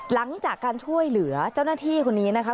หลังจากการช่วยเหลือเจ้าหน้าที่คนนี้นะคะ